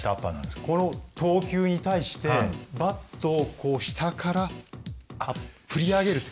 この投球に対してバットを下から振り上げるんです。